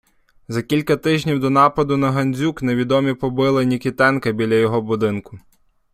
За кілька тижнів до нападу на Гандзюк невідомі побили Нікітенка біля його будинку.